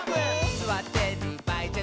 「すわってるばあいじゃない」